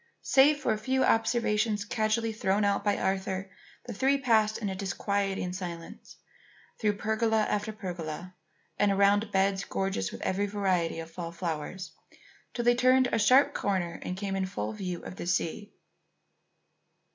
Save for a few observations casually thrown out by Arthur, the three passed in a disquieting silence through pergola after pergola, and around beds gorgeous with every variety of fall flowers, till they turned a sharp corner and came in full view of the sea.